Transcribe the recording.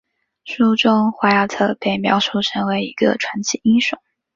书中怀亚特被描述成为一个传奇英雄。